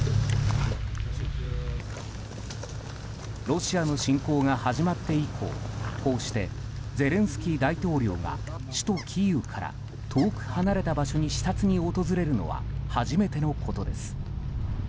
ロシアの侵攻が始まって以降こうしてゼレンスキー大統領が首都キーウから遠く離れた場所に視察に訪れるのは初めてのことです。